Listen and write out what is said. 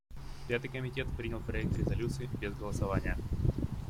Пятый комитет принял проект резолюции без голосования.